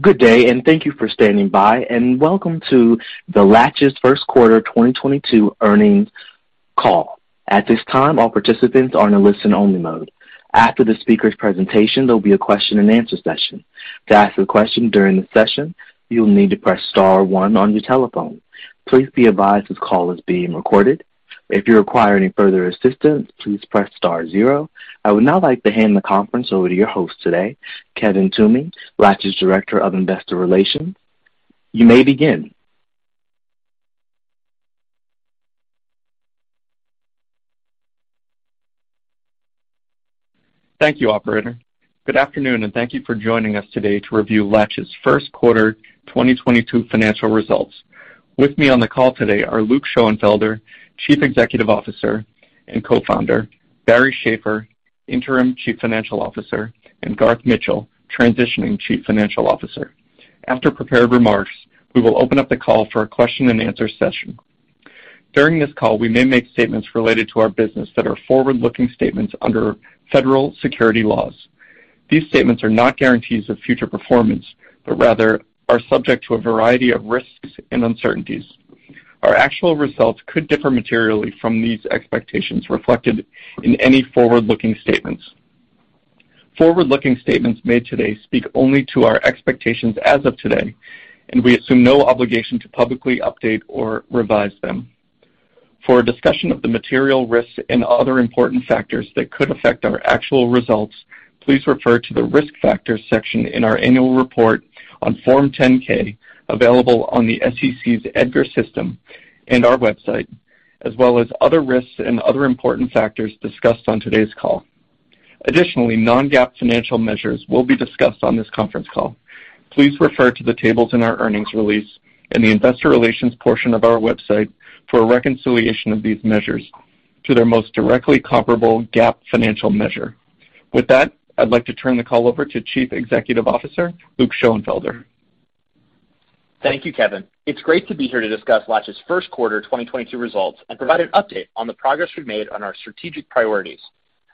Good day, and thank you for standing by, and welcome to the Latch's First Quarter 2022 Earnings Call. At this time, all participants are in a listen only mode. After the speaker's presentation, there'll be a question-and-answer session. To ask a question during the session, you'll need to press star one on your telephone. Please be advised this call is being recorded. If you require any further assistance, please press star zero. I would now like to hand the conference over to your host today, Kevin Toomey, Latch's Director of Investor Relations. You may begin. Thank you, operator. Good afternoon and thank you for joining us today to review Latch's first quarter 2022 financial results. With me on the call today are Luke Schoenfelder, Chief Executive Officer and Co-founder, Barry Schaeffer, Interim Chief Financial Officer, and Garth Mitchell, transitioning Chief Financial Officer. After prepared remarks, we will open up the call for a question-and-answer session. During this call, we may make statements related to our business that are forward-looking statements under federal securities laws. These statements are not guarantees of future performance but rather are subject to a variety of risks and uncertainties. Our actual results could differ materially from these expectations reflected in any forward-looking statements. Forward-looking statements made today speak only to our expectations as of today, and we assume no obligation to publicly update or revise them. For a discussion of the material risks and other important factors that could affect our actual results, please refer to the Risk Factors section in our annual report on Form 10-K, available on the SEC's EDGAR system and our website, as well as other risks and other important factors discussed on today's call. Additionally, non-GAAP financial measures will be discussed on this conference call. Please refer to the tables in our earnings release in the investor relations portion of our website for a reconciliation of these measures to their most directly comparable GAAP financial measure. With that, I'd like to turn the call over to Chief Executive Officer, Luke Schoenfelder. Thank you, Kevin. It's great to be here to discuss Latch's first quarter 2022 results and provide an update on the progress we've made on our strategic priorities.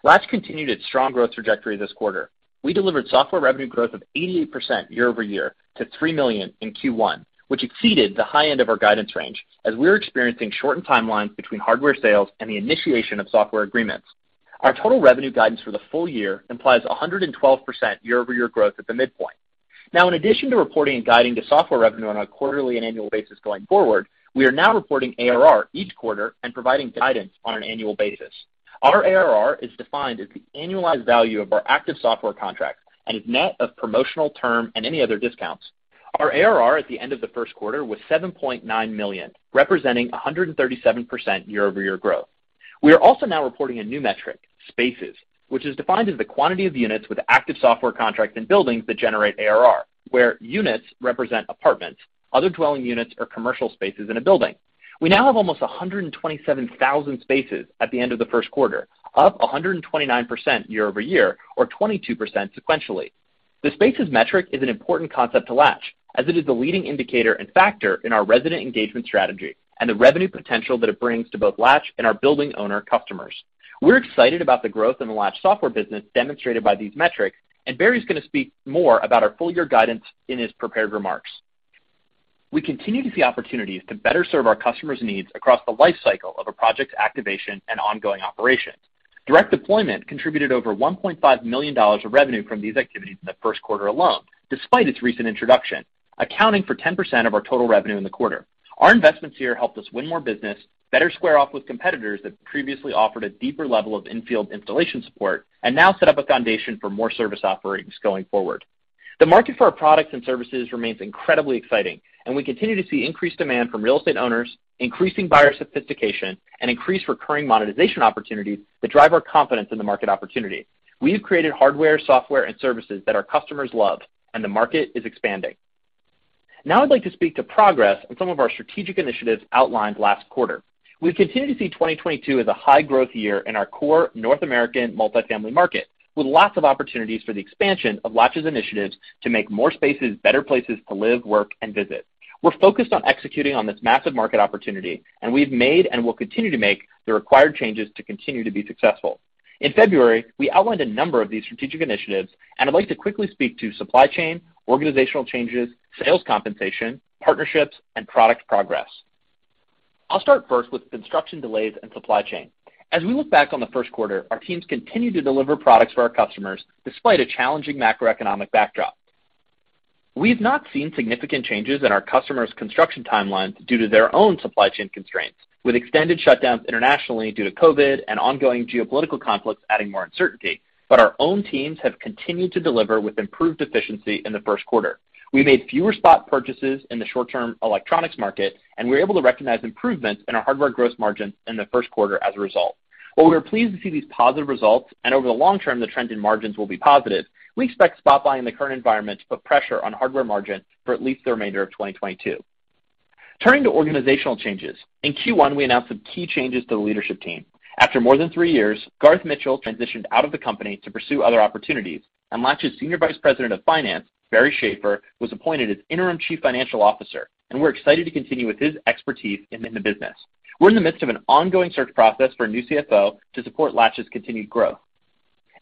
Latch continued its strong growth trajectory this quarter. We delivered software revenue growth of 88% year-over-year to $3 million in Q1, which exceeded the high end of our guidance range as we are experiencing shortened timelines between hardware sales and the initiation of software agreements. Our total revenue guidance for the full year implies a 112% year-over-year growth at the midpoint. Now, in addition to reporting and guiding to software revenue on a quarterly and annual basis going forward, we are now reporting ARR each quarter and providing guidance on an annual basis. Our ARR is defined as the annualized value of our active software contract and is net of promotional term and any other discounts. Our ARR at the end of the first quarter was $7.9 million, representing 137% year-over-year growth. We are also now reporting a new metric, spaces, which is defined as the quantity of units with active software contracts and buildings that generate ARR, where units represent apartments, other dwelling units, or commercial spaces in a building. We now have almost 127,000 spaces at the end of the first quarter, up 129% year-over-year or 22% sequentially. The spaces metric is an important concept to Latch, as it is the leading indicator and factor in our resident engagement strategy and the revenue potential that it brings to both Latch and our building owner customers. We're excited about the growth in the Latch software business demonstrated by these metrics, and Barry's gonna speak more about our full year guidance in his prepared remarks. We continue to see opportunities to better serve our customers' needs across the life cycle of a project's activation and ongoing operations. Direct deployment contributed over $1.5 million of revenue from these activities in the first quarter alone, despite its recent introduction, accounting for 10% of our total revenue in the quarter. Our investments here helped us win more business, better square off with competitors that previously offered a deeper level of infield installation support, and now set up a foundation for more service offerings going forward. The market for our products and services remains incredibly exciting, and we continue to see increased demand from real estate owners, increasing buyer sophistication, and increased recurring monetization opportunities that drive our confidence in the market opportunity. We have created hardware, software and services that our customers love, and the market is expanding. Now I'd like to speak to progress on some of our strategic initiatives outlined last quarter. We continue to see 2022 as a high growth year in our core North American multifamily market, with lots of opportunities for the expansion of Latch's initiatives to make more spaces better places to live, work, and visit. We're focused on executing on this massive market opportunity, and we've made and will continue to make the required changes to continue to be successful. In February, we outlined a number of these strategic initiatives, and I'd like to quickly speak to supply chain, organizational changes, sales compensation, partnerships, and product progress. I'll start first with construction delays and supply chain. As we look back on the first quarter, our teams continued to deliver products for our customers despite a challenging macroeconomic backdrop. We have not seen significant changes in our customers' construction timelines due to their own supply chain constraints, with extended shutdowns internationally due to COVID and ongoing geopolitical conflicts adding more uncertainty. Our own teams have continued to deliver with improved efficiency in the first quarter. We made fewer spot purchases in the short term electronics market, and we were able to recognize improvements in our hardware gross margins in the first quarter as a result. While we are pleased to see these positive results and over the long term the trend in margins will be positive, we expect spot buying in the current environment to put pressure on hardware margin for at least the remainder of 2022. Turning to organizational changes. In Q1, we announced some key changes to the leadership team. After more than three years, Garth Mitchell transitioned out of the company to pursue other opportunities, and Latch's Senior Vice President of Finance, Barry Schaeffer, was appointed as Interim Chief Financial Officer, and we're excited to continue with his expertise in the business. We're in the midst of an ongoing search process for a new CFO to support Latch's continued growth.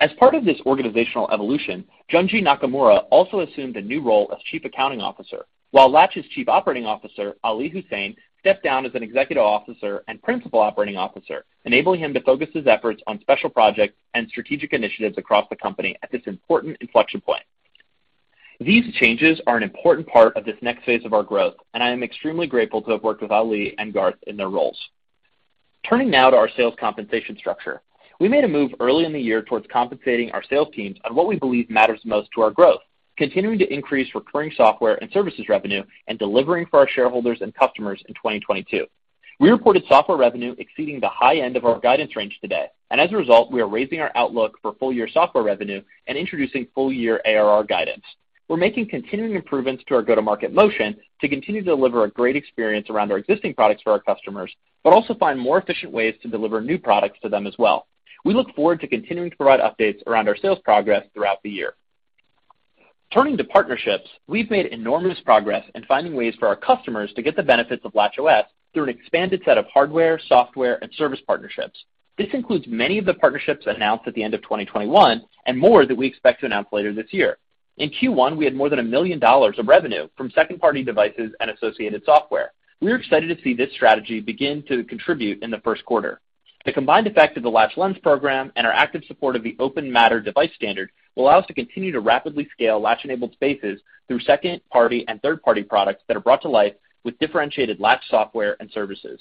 As part of this organizational evolution, Junji Nakamura also assumed a new role as chief accounting officer, while Latch's Chief Operating Officer, Ali Hussain, stepped down as an executive officer and principal operating officer, enabling him to focus his efforts on special projects and strategic initiatives across the company at this important inflection point. These changes are an important part of this next phase of our growth, and I am extremely grateful to have worked with Ali and Garth in their roles. Turning now to our sales compensation structure. We made a move early in the year towards compensating our sales teams on what we believe matters most to our growth, continuing to increase recurring software and services revenue and delivering for our shareholders and customers in 2022. We reported software revenue exceeding the high end of our guidance range today, and as a result, we are raising our outlook for full year software revenue and introducing full year ARR guidance. We're making continuing improvements to our go-to-market motion to continue to deliver a great experience around our existing products for our customers, but also find more efficient ways to deliver new products to them as well. We look forward to continuing to provide updates around our sales progress throughout the year. Turning to partnerships, we've made enormous progress in finding ways for our customers to get the benefits of LatchOS through an expanded set of hardware, software, and service partnerships. This includes many of the partnerships announced at the end of 2021 and more that we expect to announce later this year. In Q1, we had more than $1 million of revenue from second-party devices and associated software. We are excited to see this strategy begin to contribute in the first quarter. The combined effect of the Latch Lens program and our active support of the open Matter device standard will allow us to continue to rapidly scale Latch-enabled spaces through second-party and third-party products that are brought to life with differentiated Latch software and services.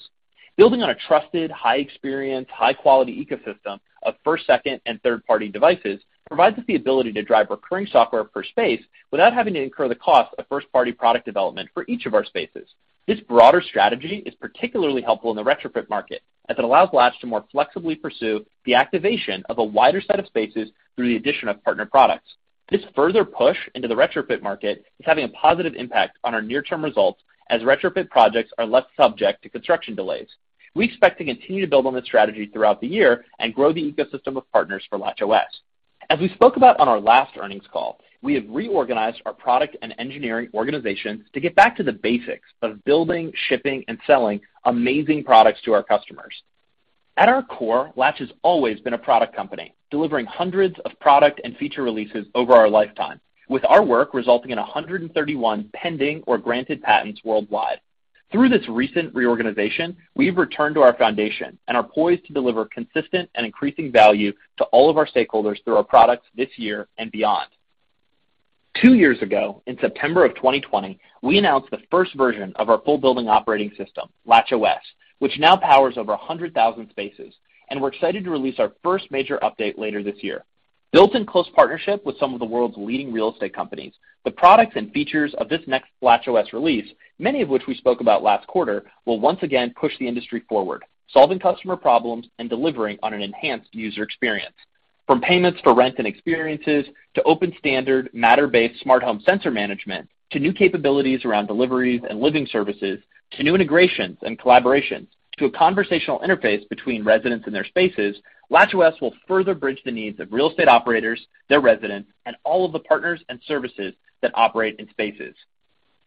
Building on a trusted, high experience, high-quality ecosystem of first, second, and third-party devices provides us the ability to drive recurring software per space without having to incur the cost of first-party product development for each of our spaces. This broader strategy is particularly helpful in the retrofit market, as it allows Latch to more flexibly pursue the activation of a wider set of spaces through the addition of partner products. This further push into the retrofit market is having a positive impact on our near-term results as retrofit projects are less subject to construction delays. We expect to continue to build on this strategy throughout the year and grow the ecosystem of partners for LatchOS. As we spoke about on our last earnings call, we have reorganized our product and engineering organization to get back to the basics of building, shipping, and selling amazing products to our customers. At our core, Latch has always been a product company, delivering hundreds of product and feature releases over our lifetime, with our work resulting in 131 pending or granted patents worldwide. Through this recent reorganization, we have returned to our foundation and are poised to deliver consistent and increasing value to all of our stakeholders through our products this year and beyond. Two years ago, in September of 2020, we announced the first version of our full building operating system, LatchOS, which now powers over 100,000 spaces. We're excited to release our first major update later this year. Built in close partnership with some of the world's leading real estate companies, the products and features of this next LatchOS release, many of which we spoke about last quarter, will once again push the industry forward, solving customer problems and delivering on an enhanced user experience. From payments for rent and experiences to open standard Matter-based smart home sensor management to new capabilities around deliveries and living services to new integrations and collaborations to a conversational interface between residents and their spaces, LatchOS will further bridge the needs of real estate operators, their residents, and all of the partners and services that operate in spaces.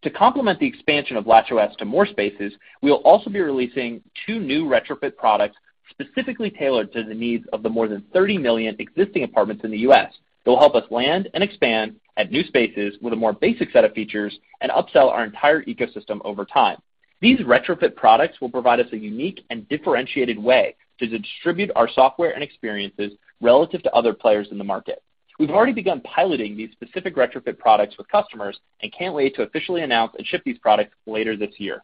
To complement the expansion of LatchOS to more spaces, we will also be releasing two new retrofit products specifically tailored to the needs of the more than 30 million existing apartments in the U.S. They'll help us land and expand at new spaces with a more basic set of features and upsell our entire ecosystem over time. These retrofit products will provide us a unique and differentiated way to distribute our software and experiences relative to other players in the market. We've already begun piloting these specific retrofit products with customers and can't wait to officially announce and ship these products later this year.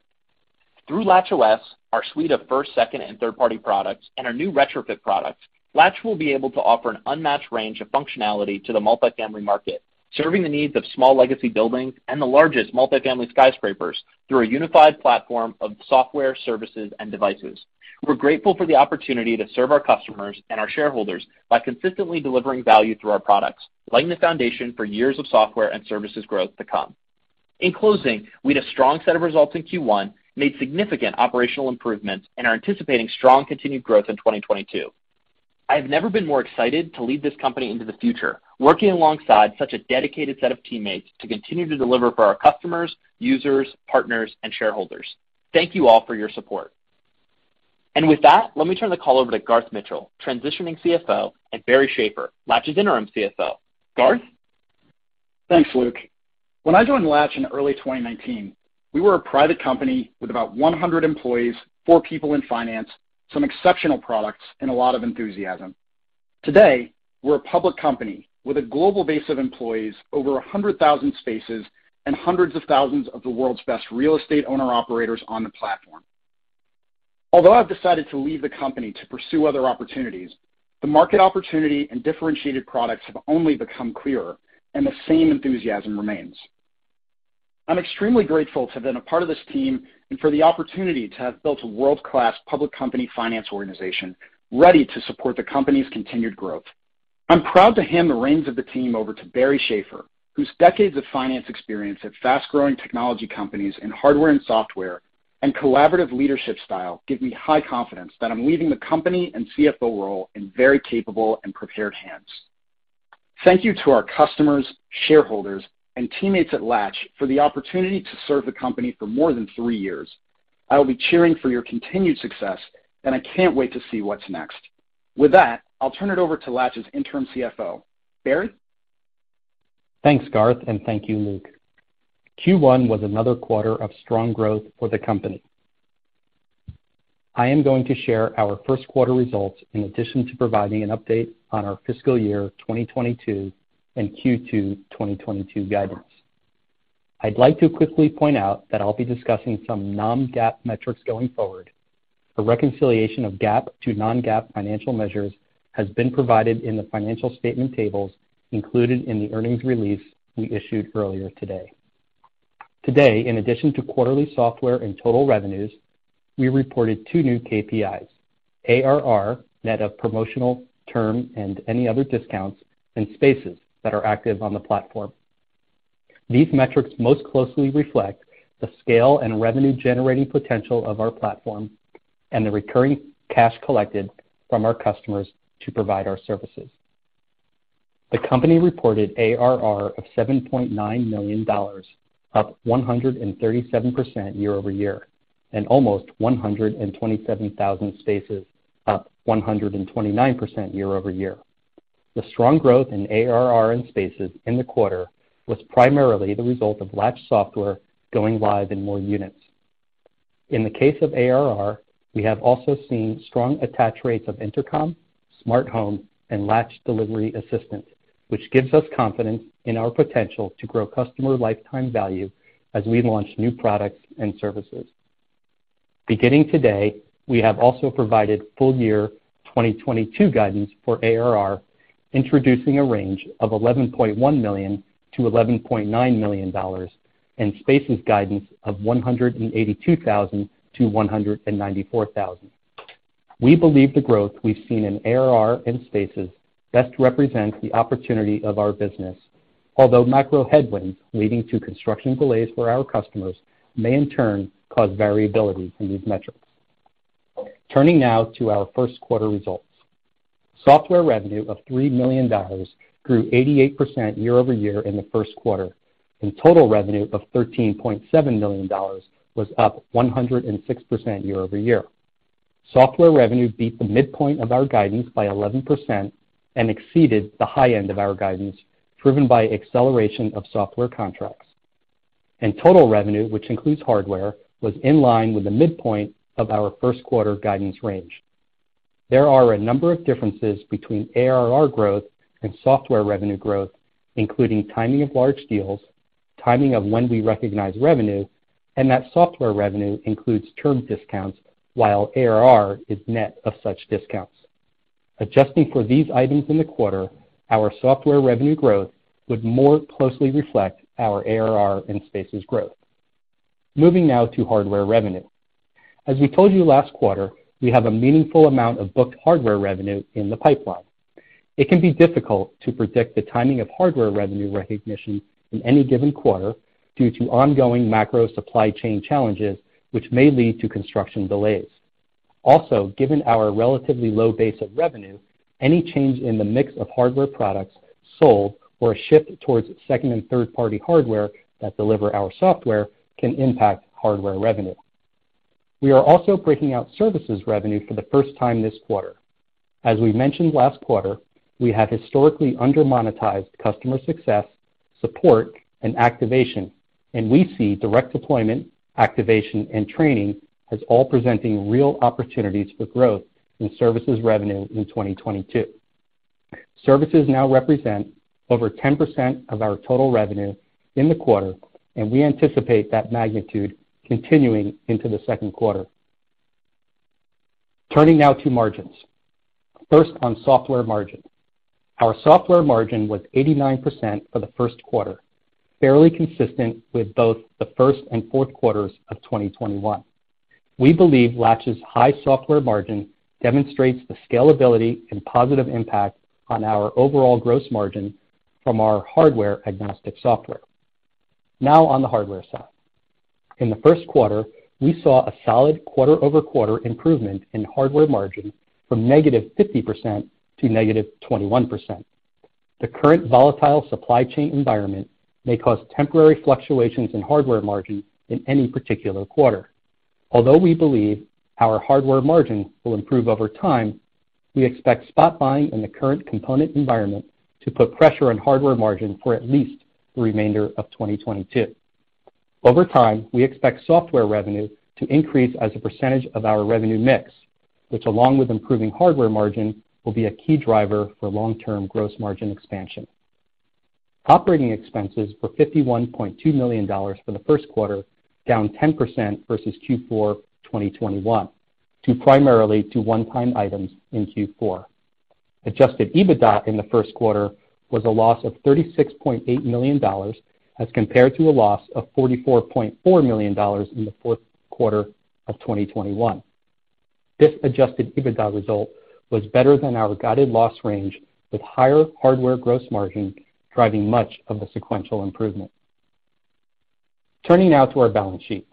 Through LatchOS, our suite of first, second, and third-party products, and our new retrofit products, Latch will be able to offer an unmatched range of functionality to the multifamily market, serving the needs of small legacy buildings and the largest multifamily skyscrapers through a unified platform of software, services, and devices. We're grateful for the opportunity to serve our customers and our shareholders by consistently delivering value through our products, laying the foundation for years of software and services growth to come. In closing, we had a strong set of results in Q1, made significant operational improvements, and are anticipating strong continued growth in 2022. I have never been more excited to lead this company into the future, working alongside such a dedicated set of teammates to continue to deliver for our customers, users, partners, and shareholders. Thank you all for your support. With that, let me turn the call over to Garth Mitchell, transitioning CFO, and Barry Schaeffer, Latch's interim CFO. Garth? Thanks, Luke. When I joined Latch in early 2019, we were a private company with about 100 employees, four people in finance, some exceptional products, and a lot of enthusiasm. Today, we're a public company with a global base of employees, over 100,000 spaces, and hundreds of thousands of the world's best real estate owner-operators on the platform. Although I've decided to leave the company to pursue other opportunities, the market opportunity and differentiated products have only become clearer, and the same enthusiasm remains. I'm extremely grateful to have been a part of this team and for the opportunity to have built a world-class public company finance organization ready to support the company's continued growth. I'm proud to hand the reins of the team over to Barry Schaeffer, whose decades of finance experience at fast-growing technology companies in hardware and software and collaborative leadership style give me high confidence that I'm leaving the company and CFO role in very capable and prepared hands. Thank you to our customers, shareholders, and teammates at Latch for the opportunity to serve the company for more than three years. I will be cheering for your continued success, and I can't wait to see what's next. With that, I'll turn it over to Latch's interim CFO. Barry? Thanks, Garth, and thank you, Luke. Q1 was another quarter of strong growth for the company. I am going to share our first quarter results in addition to providing an update on our fiscal year 2022 and Q2 2022 guidance. I'd like to quickly point out that I'll be discussing some non-GAAP metrics going forward. A reconciliation of GAAP to non-GAAP financial measures has been provided in the financial statement tables included in the earnings release we issued earlier today. Today, in addition to quarterly software and total revenues, we reported two new KPIs, ARR net of promotional, term, and any other discounts and spaces that are active on the platform. These metrics most closely reflect the scale and revenue-generating potential of our platform and the recurring cash collected from our customers to provide our services. The company reported ARR of $7.9 million, up 137% year-over-year, and almost 127,000 spaces, up 129% year-over-year. The strong growth in ARR and spaces in the quarter was primarily the result of Latch software going live in more units. In the case of ARR, we have also seen strong attach rates of intercom, smart home, and Latch delivery assistance, which gives us confidence in our potential to grow customer lifetime value as we launch new products and services. Beginning today, we have also provided full year 2022 guidance for ARR, introducing a range of $11.1 million-$11.9 million and spaces guidance of 182,000-194,000. We believe the growth we've seen in ARR and SaaS best represents the opportunity of our business, although macro headwinds leading to construction delays for our customers may in turn cause variability in these metrics. Turning now to our first quarter results. Software revenue of $3 million grew 88% year-over-year in the first quarter, and total revenue of $13.7 million was up 106% year-over-year. Software revenue beat the midpoint of our guidance by 11% and exceeded the high end of our guidance, driven by acceleration of software contracts. Total revenue, which includes hardware, was in line with the midpoint of our first quarter guidance range. There are a number of differences between ARR growth and software revenue growth, including timing of large deals, timing of when we recognize revenue, and that software revenue includes term discounts while ARR is net of such discounts. Adjusting for these items in the quarter, our software revenue growth would more closely reflect our ARR and SaaS growth. Moving now to hardware revenue. As we told you last quarter, we have a meaningful amount of booked hardware revenue in the pipeline. It can be difficult to predict the timing of hardware revenue recognition in any given quarter due to ongoing macro supply chain challenges which may lead to construction delays. Also, given our relatively low base of revenue, any change in the mix of hardware products sold or a shift towards second and third-party hardware that deliver our software can impact hardware revenue. We are also breaking out services revenue for the first time this quarter. As we mentioned last quarter, we have historically under-monetized customer success, support, and activation, and we see direct deployment, activation, and training as all presenting real opportunities for growth in services revenue in 2022. Services now represent over 10% of our total revenue in the quarter, and we anticipate that magnitude continuing into the second quarter. Turning now to margins. First on software margin. Our software margin was 89% for the first quarter, fairly consistent with both the first and fourth quarters of 2021. We believe Latch's high software margin demonstrates the scalability and positive impact on our overall gross margin from our hardware-agnostic software. Now on the hardware side. In the first quarter, we saw a solid quarter-over-quarter improvement in hardware margin from -50% to -21%. The current volatile supply chain environment may cause temporary fluctuations in hardware margin in any particular quarter. Although we believe our hardware margin will improve over time, we expect spot buying in the current component environment to put pressure on hardware margin for at least the remainder of 2022. Over time, we expect software revenue to increase as a percentage of our revenue mix, which along with improving hardware margin, will be a key driver for long-term gross margin expansion. Operating expenses were $51.2 million for the first quarter, down 10% versus Q4 2021, due primarily to one-time items in Q4. Adjusted EBITDA in the first quarter was a loss of $36.8 million as compared to a loss of $44.4 million in the fourth quarter of 2021. This adjusted EBITDA result was better than our guided loss range, with higher hardware gross margin driving much of the sequential improvement. Turning now to our balance sheet.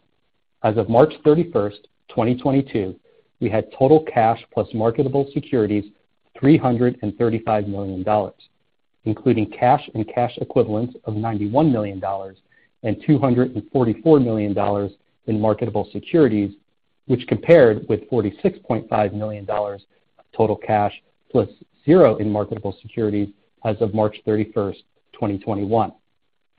As of March 31st, 2022, we had total cash plus marketable securities, $335 million, including cash and cash equivalents of $91 million and $244 million in marketable securities, which compared with $46.5 million total cash +0 in marketable securities as of March 31st, 2021.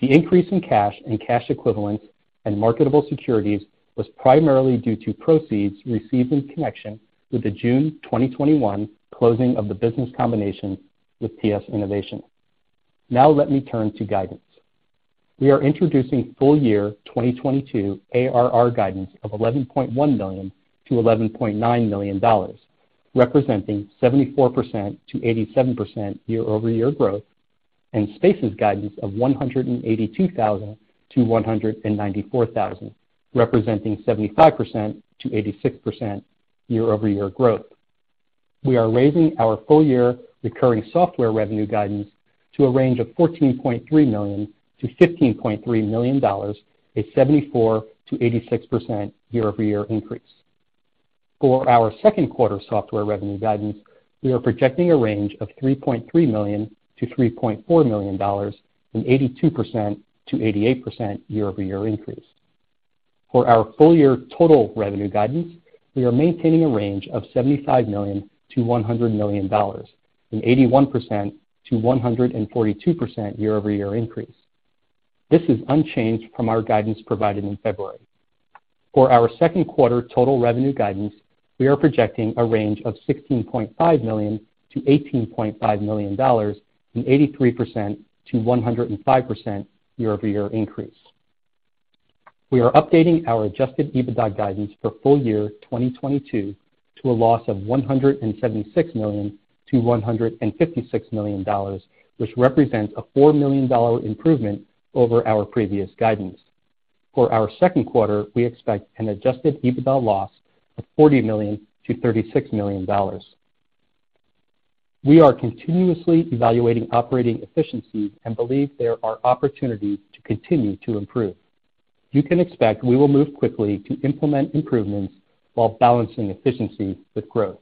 The increase in cash and cash equivalents and marketable securities was primarily due to proceeds received in connection with the June 2021 closing of the business combination with TS Innovation Acquisitions Corp. Now let me turn to guidance. We are introducing full year 2022 ARR guidance of $11.1 million-$11.9 million, representing 74%-87% year-over-year growth, and Spaces guidance of 182,000-194,000, representing 75%-86% year-over-year growth. We are raising our full year recurring software revenue guidance to a range of $14.3 million-$15.3 million, a 74%-86% year-over-year increase. For our second quarter software revenue guidance, we are projecting a range of $3.3 million-$3.4 million, an 82%-88% year-over-year increase. For our full year total revenue guidance, we are maintaining a range of $75 million-$100 million, an 81%-142% year-over-year increase. This is unchanged from our guidance provided in February. For our second quarter total revenue guidance, we are projecting a range of $16.5 million-$18.5 million, an 83%-105% year-over-year increase. We are updating our adjusted EBITDA guidance for full year 2022 to a loss of $176 million-$156 million, which represents a $4 million improvement over our previous guidance. For our second quarter, we expect an adjusted EBITDA loss of $40 million-$36 million. We are continuously evaluating operating efficiency and believe there are opportunities to continue to improve. You can expect we will move quickly to implement improvements while balancing efficiency with growth.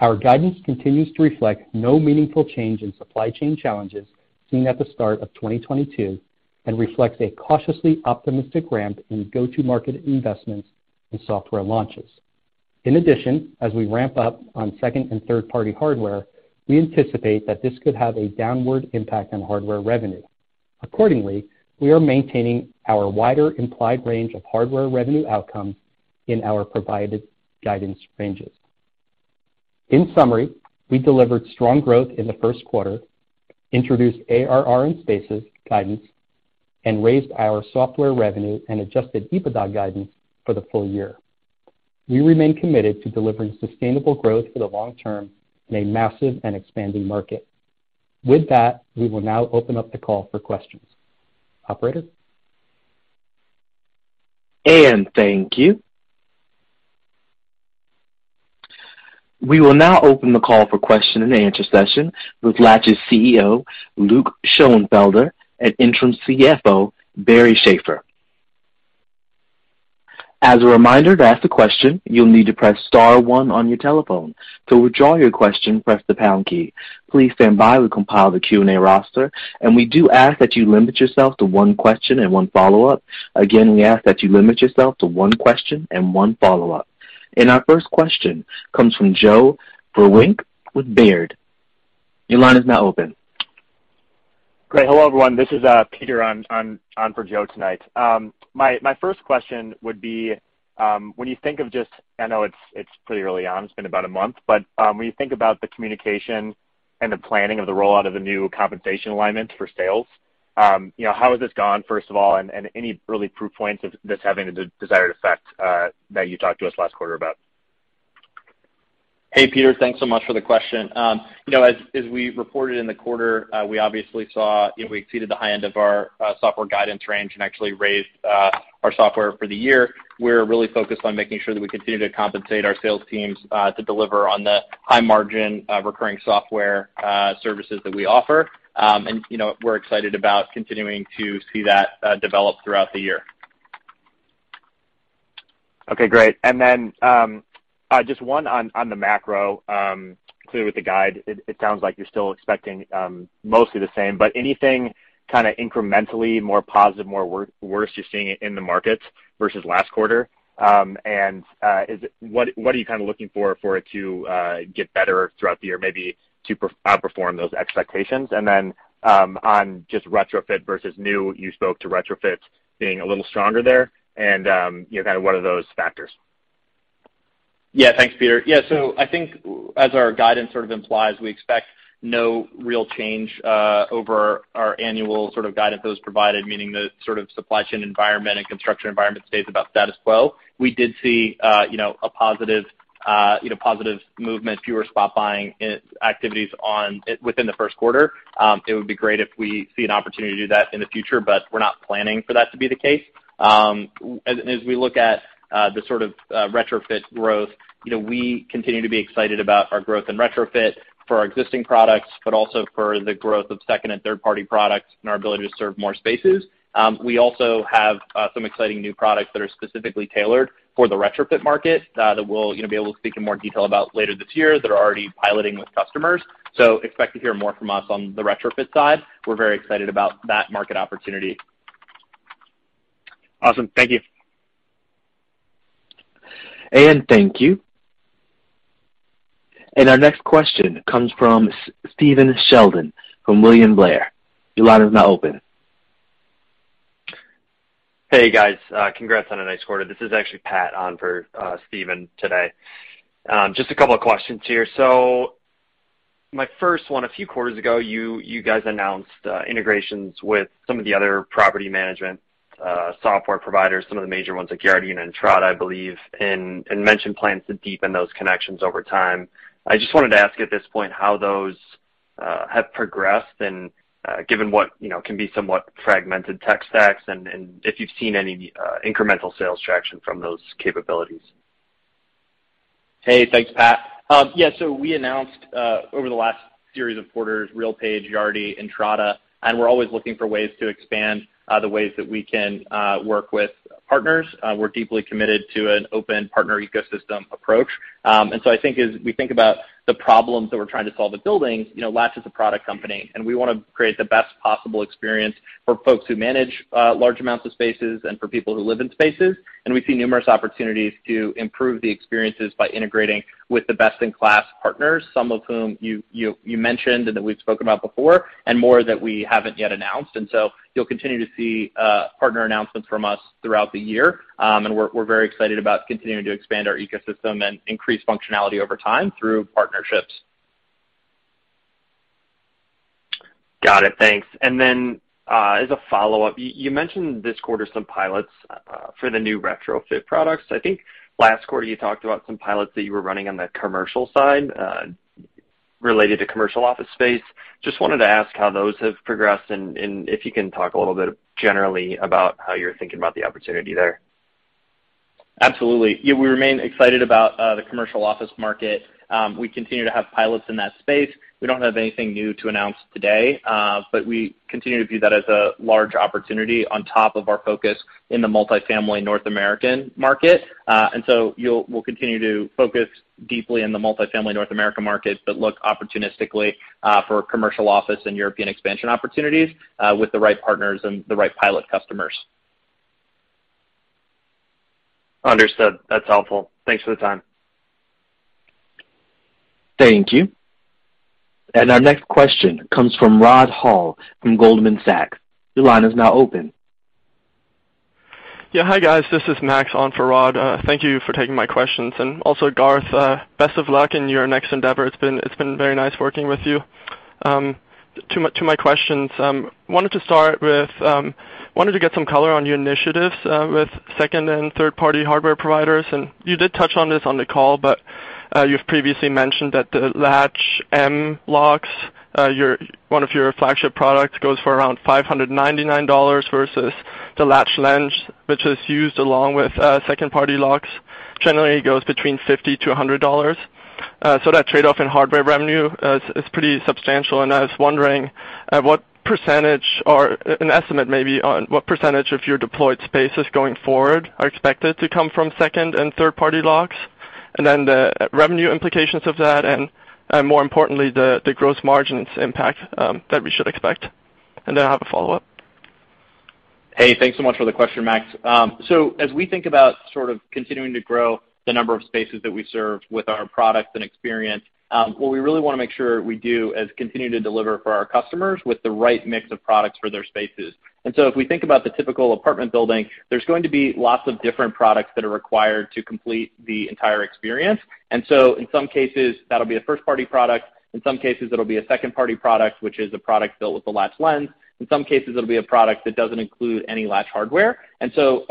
Our guidance continues to reflect no meaningful change in supply chain challenges seen at the start of 2022 and reflects a cautiously optimistic ramp in go-to-market investments and software launches. In addition, as we ramp up on second and third party hardware, we anticipate that this could have a downward impact on hardware revenue. Accordingly, we are maintaining our wider implied range of hardware revenue outcomes in our provided guidance ranges. In summary, we delivered strong growth in the first quarter, introduced ARR and Spaces guidance, and raised our software revenue and adjusted EBITDA guidance for the full year. We remain committed to delivering sustainable growth for the long term in a massive and expanding market. With that, we will now open up the call for questions. Operator? Thank you. We will now open the call for question-and-answer session with Latch's CEO, Luke Schoenfelder, and Interim CFO, Barry Schaeffer. As a reminder, to ask a question, you'll need to press star one on your telephone. To withdraw your question, press the pound key. Please stand by. We'll compile the Q&A roster, and we do ask that you limit yourself to one question and one follow-up. Again, we ask that you limit yourself to one question and one follow-up. Our first question comes from Joe Vruwink with Baird. Your line is now open. Great. Hello, everyone. This is Peter on for Joe tonight. My first question would be, when you think of, I know it's pretty early on, it's been about a month, but, when you think about the communication and the planning of the rollout of the new compensation alignment for sales, you know, how has this gone, first of all? Any early proof points of this having the desired effect that you talked to us last quarter about? Hey, Peter. Thanks so much for the question. You know, as we reported in the quarter, we exceeded the high end of our software guidance range and actually raised our software for the year. We're really focused on making sure that we continue to compensate our sales teams to deliver on the high margin recurring software services that we offer. You know, we're excited about continuing to see that develop throughout the year. Okay, great. Just one on the macro. Clearly with the guide, it sounds like you're still expecting mostly the same, but anything kinda incrementally more positive or worse you're seeing in the markets versus last quarter? What are you kinda looking for it to get better throughout the year, maybe to outperform those expectations? On just retrofit versus new, you spoke to retrofits being a little stronger there and, you know, kind of what are those factors? Yeah. Thanks, Peter. Yeah. I think as our guidance sort of implies, we expect no real change over our annual sort of guidance that was provided, meaning the sort of supply chain environment and construction environment stays about status quo. We did see, you know, a positive movement, fewer spot buying activities within the first quarter. It would be great if we see an opportunity to do that in the future, but we're not planning for that to be the case. As we look at the sort of retrofit growth, you know, we continue to be excited about our growth in retrofit for our existing products, but also for the growth of second and third-party products and our ability to serve more spaces. We also have some exciting new products that are specifically tailored for the retrofit market that we'll, you know, be able to speak in more detail about later this year that are already piloting with customers. Expect to hear more from us on the retrofit side. We're very excited about that market opportunity. Awesome. Thank you. Thank you. Our next question comes from Stephen Sheldon from William Blair. Your line is now open. Hey, guys. Congrats on a nice quarter. This is actually Pat on for Stephen today. Just a couple of questions here. My first one, a few quarters ago, you guys announced integrations with some of the other property management software providers, some of the major ones like Yardi and Entrata, I believe, and mentioned plans to deepen those connections over time. I just wanted to ask at this point how those have progressed and, given what, you know, can be somewhat fragmented tech stacks, and if you've seen any incremental sales traction from those capabilities. Hey, thanks, Pat. We announced over the last series of quarters, RealPage, Yardi, Entrata, and we're always looking for ways to expand the ways that we can work with partners. We're deeply committed to an open partner ecosystem approach. I think as we think about the problems that we're trying to solve with building, you know, Latch is a product company, and we wanna create the best possible experience for folks who manage large amounts of spaces and for people who live in spaces. We see numerous opportunities to improve the experiences by integrating with the best-in-class partners, some of whom you mentioned and that we've spoken about before, and more that we haven't yet announced. You'll continue to see partner announcements from us throughout the year. We're very excited about continuing to expand our ecosystem and increase functionality over time through partnerships. Got it. Thanks. As a follow-up, you mentioned this quarter some pilots for the new retrofit products. I think last quarter you talked about some pilots that you were running on the commercial side, related to commercial office space. Just wanted to ask how those have progressed and if you can talk a little bit generally about how you're thinking about the opportunity there. Absolutely. Yeah, we remain excited about the commercial office market. We continue to have pilots in that space. We don't have anything new to announce today, but we continue to view that as a large opportunity on top of our focus in the multifamily North American market. We'll continue to focus deeply in the multifamily North America market but look opportunistically for commercial office and European expansion opportunities with the right partners and the right pilot customers. Understood. That's helpful. Thanks for the time. Thank you. Our next question comes from Rod Hall from Goldman Sachs. Your line is now open. Yeah. Hi, guys. This is Max on for Rod. Thank you for taking my questions. Also, Garth, best of luck in your next endeavor. It's been very nice working with you. To my questions, wanted to get some color on your initiatives with second and third-party hardware providers. You did touch on this on the call, but you've previously mentioned that the Latch M locks, one of your flagship products, goes for around $599 versus the Latch Lens, which is used along with second-party locks, generally goes between $50-$100. So that trade-off in hardware revenue is pretty substantial. I was wondering what percentage or an estimate maybe on what percentage of your deployed spaces going forward are expected to come from second and third-party locks, and then the revenue implications of that, and more importantly, the gross margins impact that we should expect? Then I have a follow-up. Hey, thanks so much for the question, Max. So, as we think about sort of continuing to grow the number of spaces that we serve with our products and experience, what we really wanna make sure we do is continue to deliver for our customers with the right mix of products for their spaces. If we think about the typical apartment building, there's going to be lots of different products that are required to complete the entire experience. In some cases, that'll be a first-party product. In some cases, it'll be a second-party product, which is a product built with the Latch Lens. In some cases, it'll be a product that doesn't include any Latch hardware.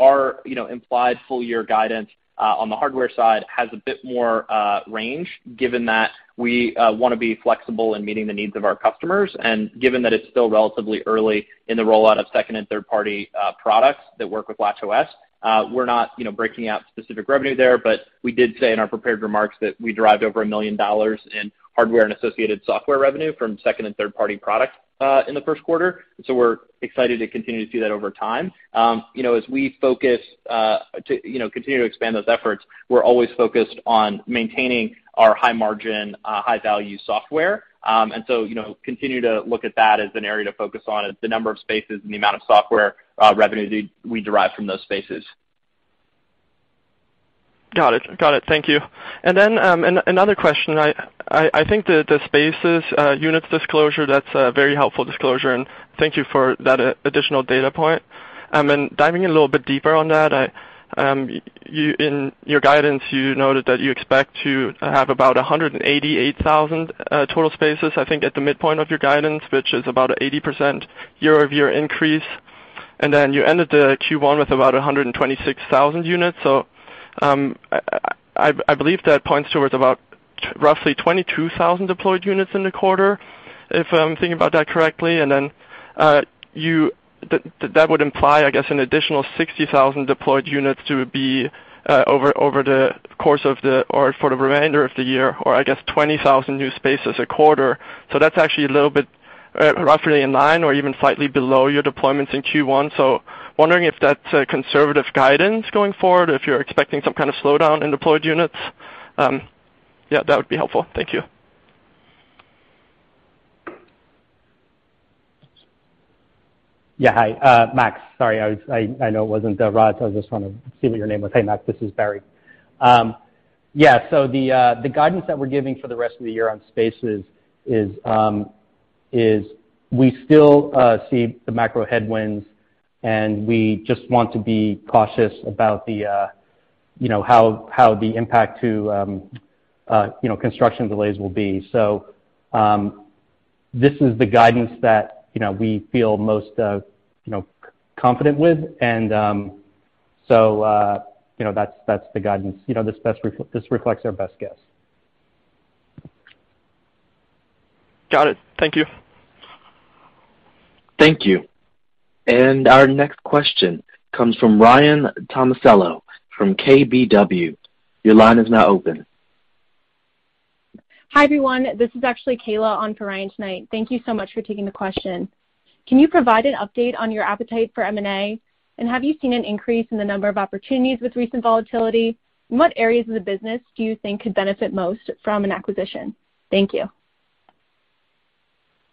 Our, you know, implied full-year guidance on the hardware side has a bit more range given that we wanna be flexible in meeting the needs of our customers and given that it's still relatively early in the rollout of second- and third-party products that work with LatchOS. We're not, you know, breaking out specific revenue there, but we did say in our prepared remarks that we derived over $1 million in hardware and associated software revenue from second- and third-party products in the first quarter. We're excited to continue to do that over time. You know, as we focus to, you know, continue to expand those efforts, we're always focused on maintaining our high-margin, high-value software. You know, continue to look at that as an area to focus on is the number of spaces and the amount of software revenue we derive from those spaces. Got it. Thank you. Another question. I think the spaces units disclosure, that's a very helpful disclosure, and thank you for that, additional data point. And diving in a little bit deeper on that, in your guidance, you noted that you expect to have about 188,000 total spaces, I think at the midpoint of your guidance, which is about 80% year-over-year increase. Then you ended the Q1 with about 126,000 units. So, I believe that points towards about roughly 22,000 deployed units in the quarter, if I'm thinking about that correctly. That would imply, I guess, an additional 60,000 deployed units to be over the course of the year or for the remainder of the year, or I guess 20,000 new spaces a quarter. That's actually a little bit roughly in line or even slightly below your deployments in Q1. Wondering if that's a conservative guidance going forward, if you're expecting some kind of slowdown in deployed units. Yeah, that would be helpful. Thank you. Yeah. Hi, Max. Sorry, I know it wasn't Rod. I was just trying to see what your name was. Hey, Max, this is Barry. Yeah, so the guidance that we're giving for the rest of the year on spaces is we still see the macro headwinds, and we just want to be cautious about you know, how the impact to you know, construction delays will be. This is the guidance that you know, we feel most confident with. You know, that's the guidance. You know, this reflects our best guess. Got it. Thank you. Thank you. Our next question comes from Ryan Tomasello from KBW. Your line is now open. Hi, everyone. This is actually Kayla on for Ryan tonight. Thank you so much for taking the question. Can you provide an update on your appetite for M&A, and have you seen an increase in the number of opportunities with recent volatility? What areas of the business do you think could benefit most from an acquisition? Thank you.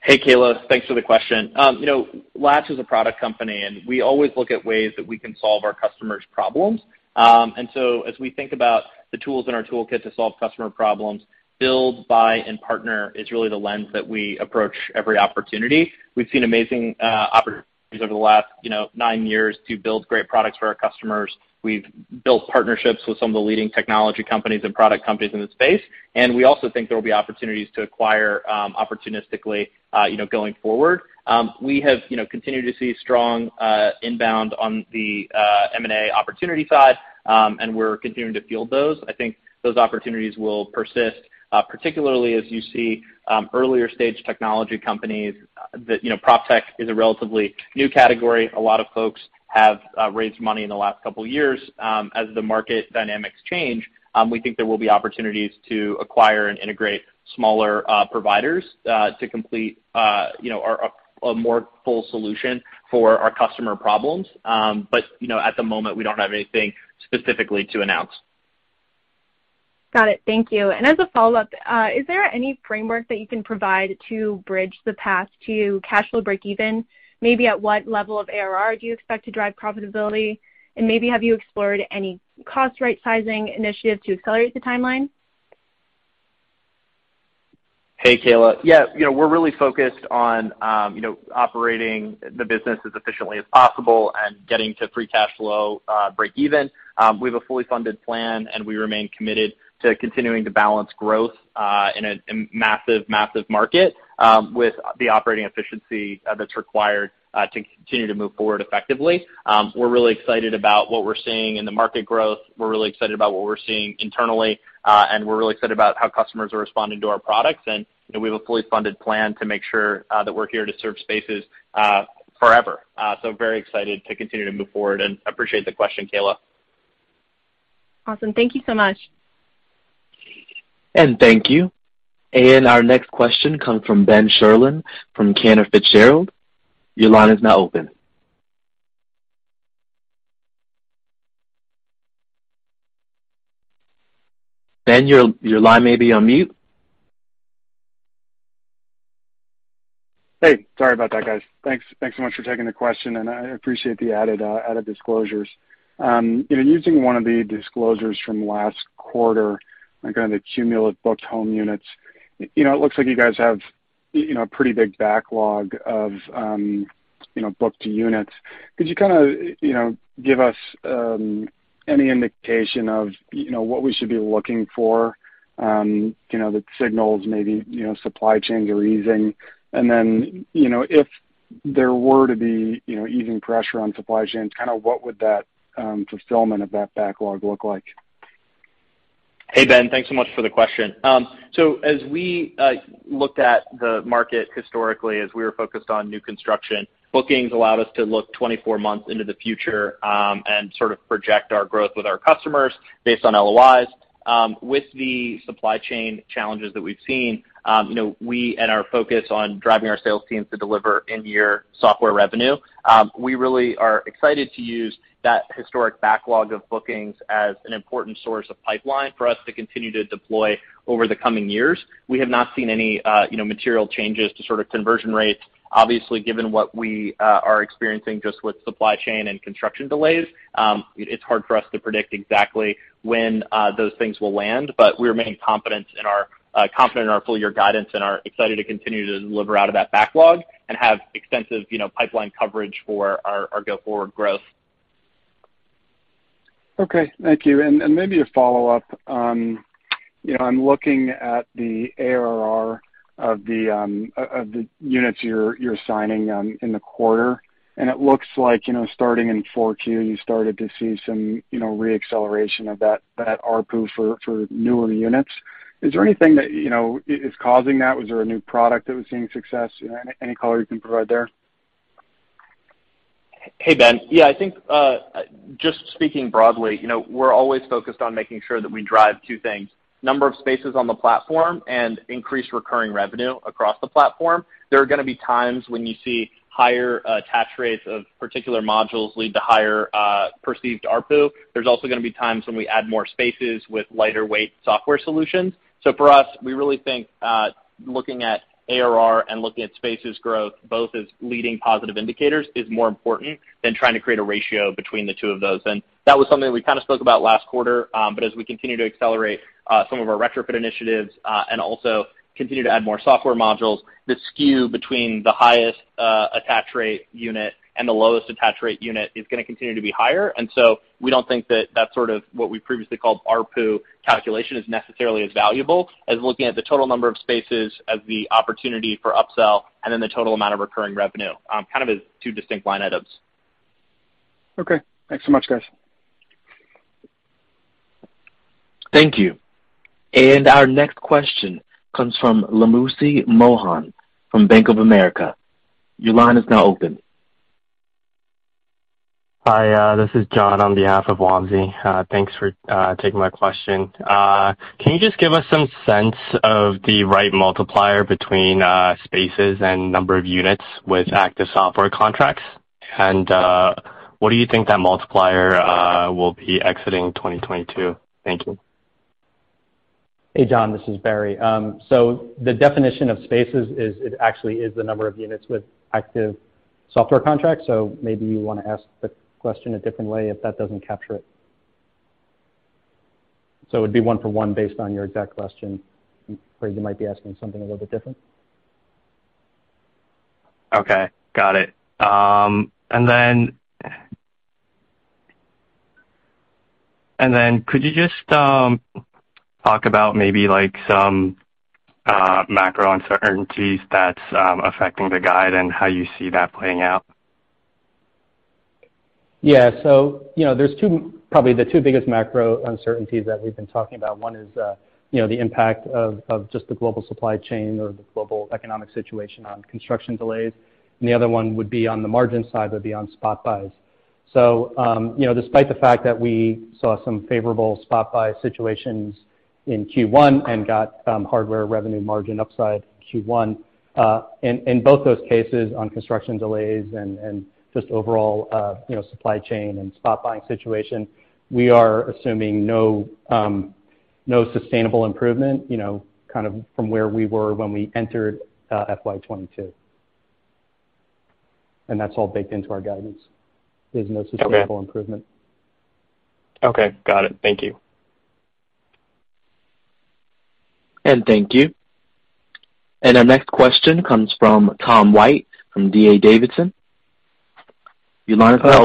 Hey, Kayla. Thanks for the question. You know, Latch is a product company, and we always look at ways that we can solve our customers' problems. As we think about the tools in our toolkit to solve customer problems, build, buy, and partner is really the lens that we approach every opportunity. We've seen amazing opportunities over the last, you know, nine years to build great products for our customers. We've built partnerships with some of the leading technology companies and product companies in the space, and we also think there will be opportunities to acquire opportunistically, you know, going forward. We have, you know, continued to see strong inbound on the M&A opportunity side, and we're continuing to field those. I think those opportunities will persist, particularly as you see earlier stage technology companies that. You know, PropTech is a relatively new category. A lot of folks have raised money in the last couple years. As the market dynamics change, we think there will be opportunities to acquire and integrate smaller providers to complete, you know, a more full solution for our customer problems. You know, at the moment, we don't have anything specifically to announce. Got it. Thank you. As a follow-up, is there any framework that you can provide to bridge the path to cash flow breakeven? Maybe at what level of ARR do you expect to drive profitability? Maybe have you explored any cost rightsizing initiatives to accelerate the timeline? Hey, Kayla. Yeah, you know, we're really focused on operating the business as efficiently as possible and getting to free cash flow breakeven. We have a fully funded plan, and we remain committed to continuing to balance growth in a massive market with the operating efficiency that's required to continue to move forward effectively. We're really excited about what we're seeing in the market growth. We're really excited about what we're seeing internally, and we're really excited about how customers are responding to our products. You know, we have a fully funded plan to make sure that we're here to serve spaces forever. Very excited to continue to move forward, and appreciate the question, Kayla. Awesome. Thank you so much. Thank you. Our next question comes from Ben Sherlund from Cantor Fitzgerald. Your line is now open. Ben, your line may be on mute. Hey, sorry about that, guys. Thanks so much for taking the question, and I appreciate the added disclosures. You know, using one of the disclosures from last quarter on kind of the cumulative booked home units, you know, it looks like you guys have you know a pretty big backlog of you know booked units. Could you kinda you know give us any indication of you know what we should be looking for you know that signals maybe you know supply chains are easing? Then you know if there were to be you know easing pressure on supply chains, kinda what would that fulfillment of that backlog look like? Hey, Ben. Thanks so much for the question. So, as we looked at the market historically as we were focused on new construction, bookings allowed us to look 24 months into the future, and sort of project our growth with our customers based on LOI. With the supply chain challenges that we've seen, you know, we and our focus on driving our sales teams to deliver in-year software revenue, we really are excited to use that historic backlog of bookings as an important source of pipeline for us to continue to deploy over the coming years. We have not seen any, you know, material changes to sort of conversion rates. Obviously, given what we are experiencing just with supply chain and construction delays, it's hard for us to predict exactly when those things will land. We're remaining confident in our full year guidance and are excited to continue to deliver out of that backlog and have extensive, you know, pipeline coverage for our go-forward growth. Okay. Thank you. Maybe a follow-up on You know, I'm looking at the ARR of the units you're signing in the quarter, and it looks like, you know, starting in Q4, you started to see some, you know, re-acceleration of that ARPU for newer units. Is there anything that, you know, is causing that? Was there a new product that was seeing success? Any color you can provide there? Hey, Ben. Yeah. I think, just speaking broadly, you know, we're always focused on making sure that we drive two things, number of spaces on the platform and increased recurring revenue across the platform. There are gonna be times when you see higher attach rates of particular modules lead to higher perceived ARPU. There's also gonna be times when we add more spaces with lighter weight software solutions. So for us, we really think looking at ARR and looking at spaces growth both as leading positive indicators is more important than trying to create a ratio between the two of those. That was something we kind of spoke about last quarter. As we continue to accelerate some of our retrofit initiatives and also continue to add more software modules, the skew between the highest attach rate unit and the lowest attach rate unit is gonna continue to be higher. We don't think that that's sort of what we previously called ARPU calculation is necessarily as valuable as looking at the total number of spaces as the opportunity for upsell and then the total amount of recurring revenue kind of as two distinct line items. Okay. Thanks so much, guys. Thank you. Our next question comes from Wamsi Mohan from Bank of America. Your line is now open. Hi. This is John on behalf of Wamsi. Thanks for taking my question. Can you just give us some sense of the right multiplier between spaces and number of units with active software contracts? What do you think that multiplier will be exiting 2022? Thank you. Hey, John. This is Barry. The definition of spaces is it actually is the number of units with active software contracts. Maybe you wanna ask the question a different way if that doesn't capture it. It would be one for one based on your exact question. I'm afraid you might be asking something a little bit different. Okay. Got it. Could you just talk about maybe like some macro uncertainties that's affecting the guide and how you see that playing out? Yeah. You know, there are two, probably the two biggest macro uncertainties that we've been talking about. One is, you know, the impact of just the global supply chain or the global economic situation on construction delays, and the other one would be on the margin side, would be on spot buys. You know, despite the fact that we saw some favorable spot buy situations in Q1 and got hardware revenue margin upside Q1, in both those cases on construction delays and just overall, you know, supply chain and spot buying situation, we are assuming no sustainable improvement, you know, kind of from where we were when we entered FY 2022. That's all baked into our guidance. Okay. There's no sustainable improvement. Okay. Got it. Thank you. Thank you. Our next question comes from Tom White from D.A. Davidson. Your line is now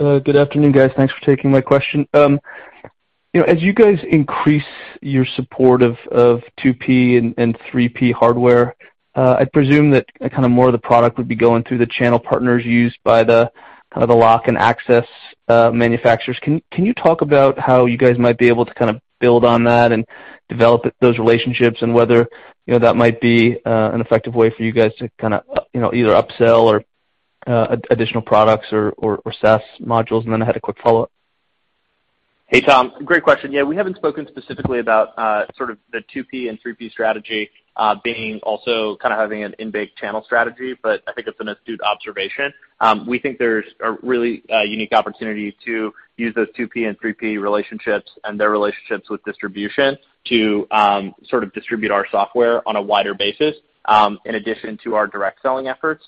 open. Good afternoon, guys. Thanks for taking my question. You know, as you guys increase your support of 2P and 3P hardware, I presume that kind of more of the product would be going through the channel partners used by the kind of lock and access manufacturers. Can you talk about how you guys might be able to kind of build on that and develop those relationships and whether, you know, that might be an effective way for you guys to kinda, you know, either upsell or additional products or SaaS modules. Then I had a quick follow-up. Hey, Tom. Great question. Yeah. We haven't spoken specifically about sort of the 2P and 3P strategy being also kind of having an integrated channel strategy, but I think it's an astute observation. We think there's a really unique opportunity to use those 2P and 3P relationships and their relationships with distribution to sort of distribute our software on a wider basis in addition to our direct selling efforts.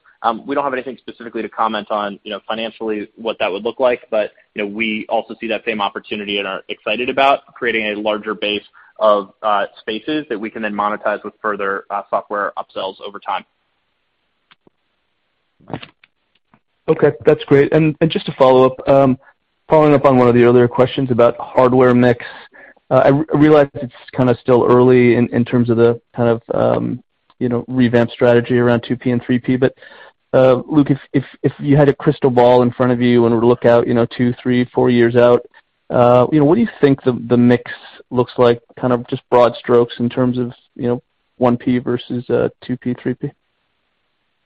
We don't have anything specifically to comment on you know financially what that would look like. You know, we also see that same opportunity and are excited about creating a larger base of spaces that we can then monetize with further software upsells over time. Okay. That's great. Just to follow up, following up on one of the earlier questions about hardware mix, I realize it's kinda still early in terms of the kind of, you know, revamped strategy around 2P and 3P. Luke, if you had a crystal ball in front of you and were to look out, you know, two, three, four years out, you know, what do you think the mix looks like, kind of just broad strokes in terms of, you know, 1P versus 2P, 3P?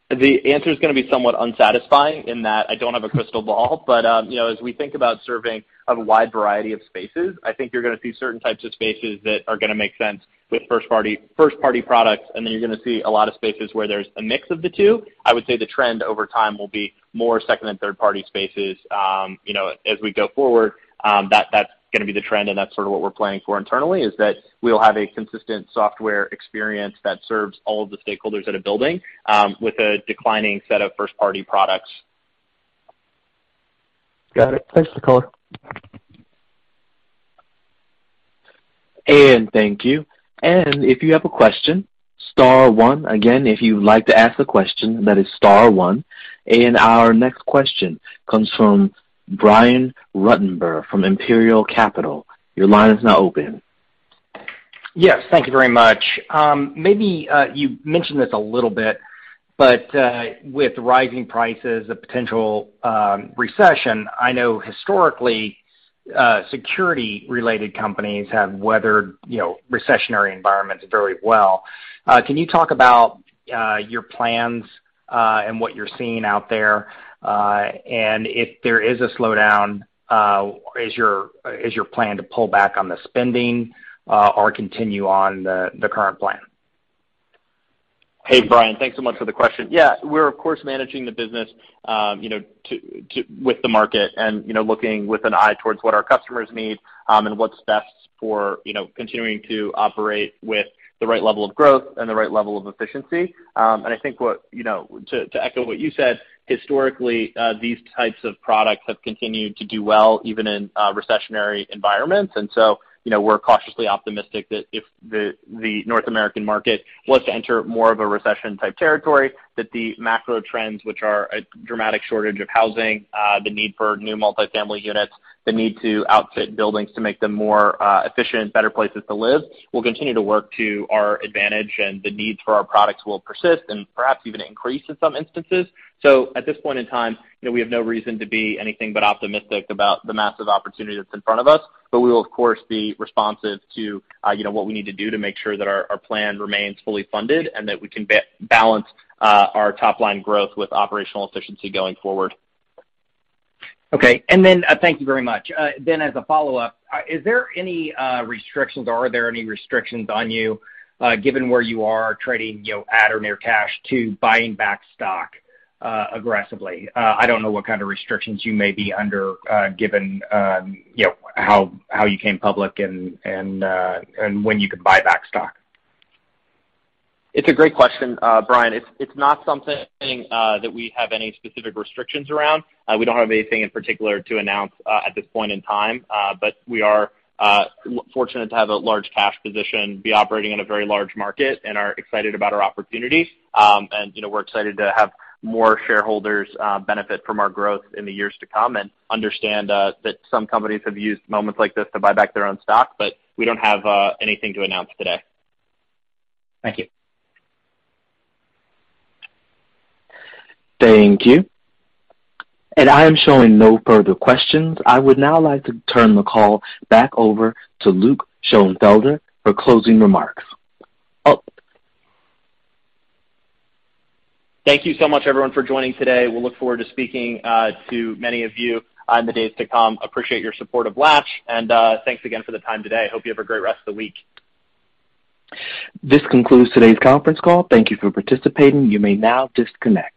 The answer is gonna be somewhat unsatisfying in that I don't have a crystal ball. You know, as we think about serving a wide variety of spaces, I think you're gonna see certain types of spaces that are gonna make sense with first party products, and then you're gonna see a lot of spaces where there's a mix of the two. I would say the trend over time will be more second and third party spaces, you know, as we go forward. That's gonna be the trend, and that's sort of what we're planning for internally, is that we'll have a consistent software experience that serves all of the stakeholders at a building, with a declining set of first party products. Got it. Thanks for the color. Thank you. If you have a question, star one. Again, if you'd like to ask a question, that is star one. Our next question comes from Brian Ruttenbur from Imperial Capital. Your line is now open. Yes. Thank you very much. Maybe you mentioned this a little bit, but with rising prices, the potential recession, I know historically security-related companies have weathered, you know, recessionary environments very well. Can you talk about your plans and what you're seeing out there? And if there is a slowdown, is your plan to pull back on the spending or continue on the current plan? Hey, Brian, thanks so much for the question. Yeah. We're of course managing the business, you know, with the market and, you know, looking with an eye towards what our customers need, and what's best for, you know, continuing to operate with the right level of growth and the right level of efficiency. I think what, you know, to echo what you said, historically, these types of products have continued to do well even in recessionary environments. You know, we're cautiously optimistic that if the North American market was to enter more of a recession type territory, that the macro trends which are a dramatic shortage of housing, the need for new multifamily units, the need to outfit buildings to make them more efficient, better places to live, will continue to work to our advantage, and the need for our products will persist and perhaps even increase in some instances. At this point in time, you know, we have no reason to be anything but optimistic about the massive opportunity that's in front of us. We will of course be responsive to you know, what we need to do to make sure that our plan remains fully funded and that we can balance our top line growth with operational efficiency going forward. Thank you very much. As a follow-up, is there any restrictions or are there any restrictions on you, given where you are trading, you know, at or near cash to buying back stock, aggressively? I don't know what kind of restrictions you may be under, given you know, how you came public and when you can buy back stock. It's a great question, Brian. It's not something that we have any specific restrictions around. We don't have anything in particular to announce at this point in time. We are fortunate to have a large cash position, be operating in a very large market and are excited about our opportunity. You know, we're excited to have more shareholders benefit from our growth in the years to come and understand that some companies have used moments like this to buy back their own stock. We don't have anything to announce today. Thank you. Thank you. I am showing no further questions. I would now like to turn the call back over to Luke Schoenfelder for closing remarks. Thank you so much everyone for joining today. We'll look forward to speaking to many of you in the days to come. Appreciate your support of Door, and thanks again for the time today. Hope you have a great rest of the week. This concludes today's conference call. Thank you for participating. You may now disconnect.